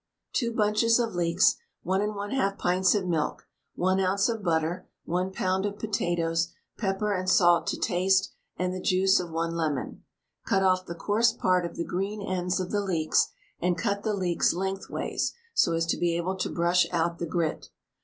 2 bunches of leeks, 1 1/2 pints of milk, 1 oz. of butter, 1 lb. of potatoes, pepper and salt to taste, and the juice of 1 lemon. Cut off the coarse part of the green ends of the leeks, and cut the leeks lengthways, so as to be able to brush out the grit.